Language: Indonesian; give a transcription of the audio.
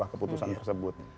untuk merubah keputusan tersebut